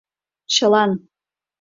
Чылан: